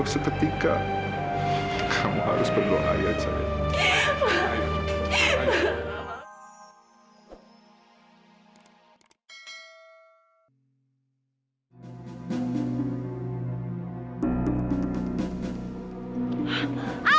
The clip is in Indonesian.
ketika kamu harus berdoa ayat sayang